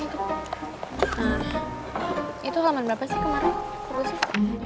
itu halaman berapa sih kemarin